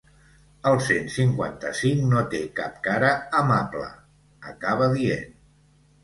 El cent cinquanta-cinc no té cap cara amable, acaba dient.